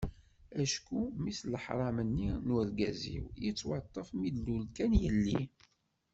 Acku mmi-s n leḥram-nni n urgaz-iw yettwaṭṭef mi d-tlul kan yelli.